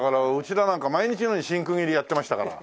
らなんか毎日のように真空斬りやってましたから。